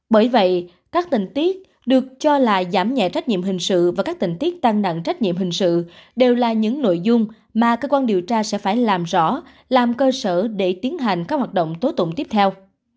bởi vậy các tình tiết được cho là giảm nhẹ trách nhiệm hình sự và các tình tiết tăng nặng trách nhiệm hình sự đều là những nội dung mà cơ quan điều tra sẽ phải làm rõ làm cơ sở để tiến hành các hoạt động tố tụng tiếp theo